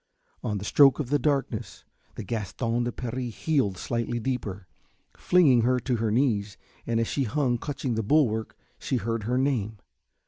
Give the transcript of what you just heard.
On the stroke of the darkness the Gaston de Paris heeled slightly deeper, flinging her to her knees, and as she hung, clutching the woodwork, she heard her name.